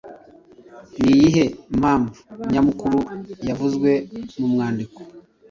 Ni iyihe mpamvu nyamukuru yavuzwe mu mwandiko